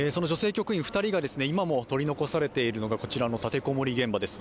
局員２人が今も取り残されているのがこちらの立て籠もり現場です。